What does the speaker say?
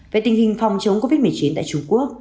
về tình hình phòng chống covid một mươi chín tại trung quốc